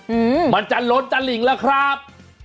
อืมมันจะล้นจะหลิงแล้วครับ